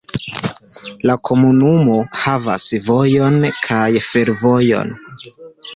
La komunumo havas vojon kaj fervojon.